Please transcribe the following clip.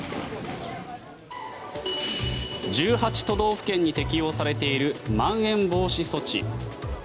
１８都道府県に適用されているまん延防止措置。